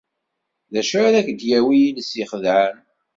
D acu ara ak-d-yawi yiles ixeddɛen?